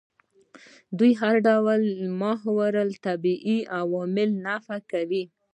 دوی هر ډول نور ماورا الطبیعي عوامل نفي کوي.